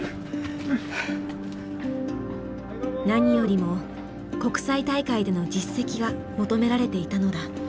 何よりも国際大会での実績が求められていたのだ。